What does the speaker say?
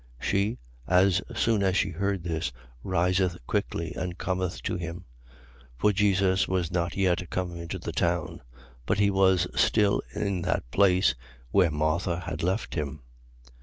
11:29. She, as soon as she heard this, riseth quickly and cometh to him. 11:30. For Jesus was not yet come into the town: but he was still in that place where Martha had met him.